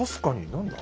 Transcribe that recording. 何だ？